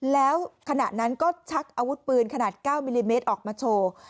แล้วขณะนั้นก็ชักอาวุธปืนขนาด๙มิลลิเมตรออกมาโชว์